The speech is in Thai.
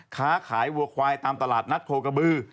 ค้าขายวัวควายตามตลาดนัดโคกระบือ